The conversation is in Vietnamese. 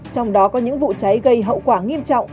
trong đó có những vụ cháy gây hậu quả nghiêm trọng